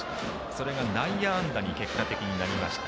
それが内野安打に結果的になりました。